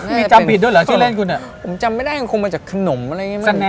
ไม่ได้จำไม่ได้คงมาจากขนมอะไรอย่างงี้